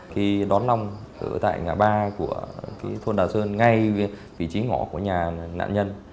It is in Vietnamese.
khi đón long ở tại ngã ba của thôn đà sơn ngay vị trí ngõ của nhà nạn nhân